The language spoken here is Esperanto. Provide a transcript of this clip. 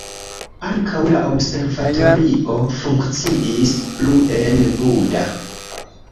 Ankaŭ la observatorio funkciis plu en Buda.